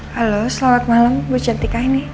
halo selamat malam bu centika ini